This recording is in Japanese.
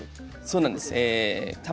そうなんです。